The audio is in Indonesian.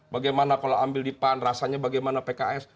bagaimana kalau ambil di pan rasanya bagaimana pks